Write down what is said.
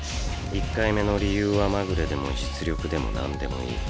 １回目の理由はまぐれでも実力でもなんでもいい。